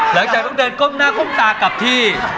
หลังจากต้องเดินก้มหน้าก้มตากลับที่